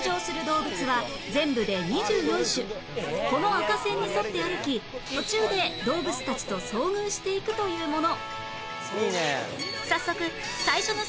この赤線に沿って歩き途中で動物たちと遭遇していくというもの